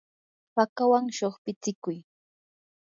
hakawan shuqpitsikuy.